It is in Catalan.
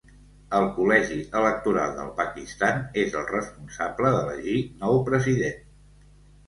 El Col·legi Electoral del Pakistan és el responsable d'elegir nou president.